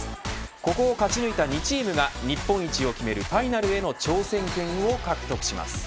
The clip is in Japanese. ここを勝ち抜いた２チームが日本一を決めるファイナルへの挑戦権を獲得します。